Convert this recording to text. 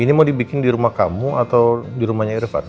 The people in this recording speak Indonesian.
ini mau dibikin di rumah kamu atau di rumahnya irfan